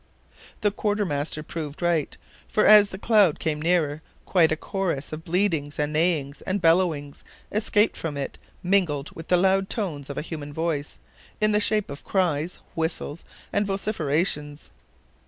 The quartermaster proved right, for as the cloud came nearer, quite a chorus of bleatings and neighings, and bel lowings escaped from it, mingled with the loud tones of a human voice, in the shape of cries, and whistles, and vociferations.